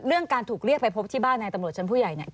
การถูกเรียกไปพบที่บ้านในตำรวจชั้นผู้ใหญ่เนี่ย